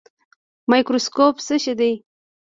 مایکروسکوپ څه شی دی؟